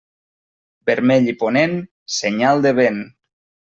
Vermell i ponent, senyal de vent.